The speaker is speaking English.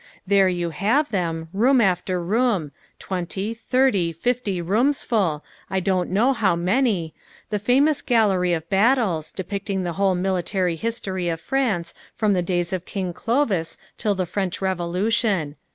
There you have them, room after room twenty, thirty, fifty roomsful I don't know how many the famous gallery of battles, depicting the whole military history of France from the days of King Clovis till the French Revolution.